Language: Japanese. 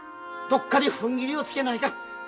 どっかでふんぎりをつけないかん。